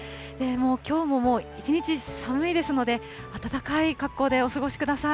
もうきょうも一日寒いですので、暖かい格好でお過ごしください。